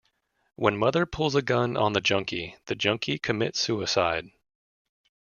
When Mother pulls a gun on the junkie, the junkie commits suicide.